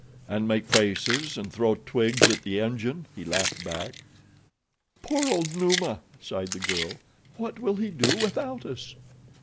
"And make faces and throw twigs at the engine?" he laughed back. "Poor old Numa," sighed the girl. "What will he do without us?"